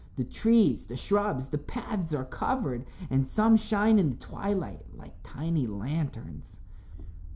The trees, the shrubs, the paths are covered, and some shine in the twilight like tiny lanterns."